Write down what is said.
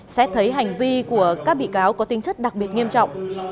xét thấy hành vi của các bị cáo có tinh chất đặc biệt nghiêm trọng